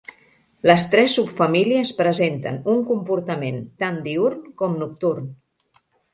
Les tres subfamílies presenten un comportament tant diürn com nocturn.